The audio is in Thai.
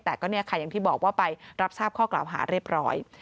แต่ก็เนี่ยค่ะอย่างที่บอกว่าไปรับทราบข้อกล่าวหาเรียบร้อย